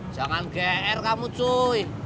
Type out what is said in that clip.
jangan gr kamu cuy